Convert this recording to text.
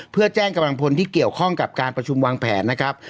เพื่อแจ้งกำลังพลที่เกี่ยวข้องกับการประชุมวางแผนนะครับ